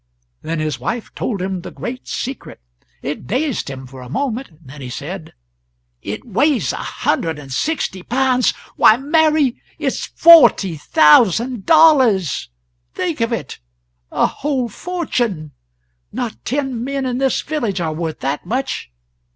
Then his wife told him the great secret. It dazed him for a moment; then he said: "It weighs a hundred and sixty pounds? Why, Mary, it's for ty thou sand dollars think of it a whole fortune! Not ten men in this village are worth that much.